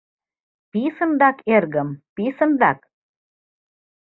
— Писынрак, эргым, писынрак!